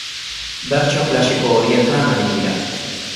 Bertso klasiko horietan ari gira.